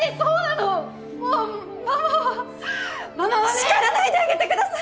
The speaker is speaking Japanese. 叱らないであげてください！